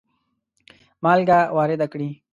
مالګه وارده کړي.